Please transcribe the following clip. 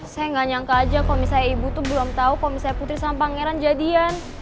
saya nggak nyangka aja kalau misalnya ibu tuh belum tahu kalau misalnya putri sama pangeran jadian